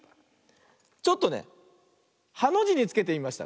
ちょっとねハのじにつけてみました。